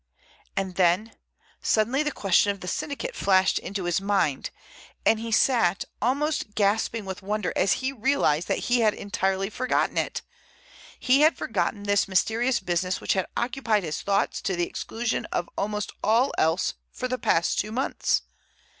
And then—suddenly the question of the syndicate flashed into his mind, and he sat, almost gasping with wonder as he realized that he had entirely forgotten it! He had forgotten this mysterious business which had occupied his thoughts to the exclusion of almost all else for the past two months!